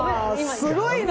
すごいな。